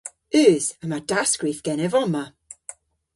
Eus, yma dasskrif genev omma.